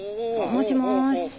もしもーし。